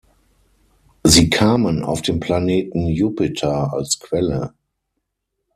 Sie kamen auf den Planeten Jupiter als Quelle.